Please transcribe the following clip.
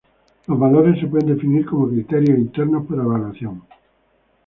Los valores se pueden definir como "criterios internos para evaluación".